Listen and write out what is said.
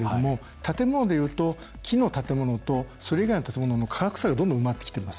建物でいうと、木の建物とそれ以外の建物の価格差がどんどん埋まってきてます。